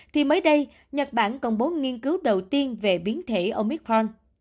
thì mới đây nhật bản công bố nghiên cứu đầu tiên về biến thể omicron